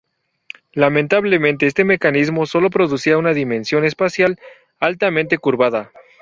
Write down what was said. Lamentablemente este mecanismo sólo producía una dimensión espacial altamente curvada.